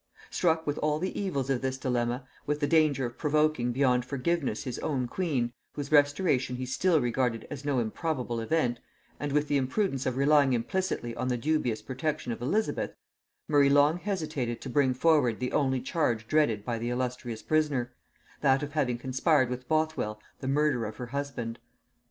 Struck with all the evils of this dilemma; with the danger of provoking beyond forgiveness his own queen, whose restoration he still regarded as no improbable event, and with the imprudence of relying implicitly on the dubious protection of Elizabeth, Murray long hesitated to bring forward the only charge dreaded by the illustrious prisoner, that of having conspired with Bothwell the murder of her husband.